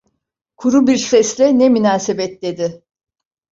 Kuru bir sesle: "Ne münasebet!" dedi.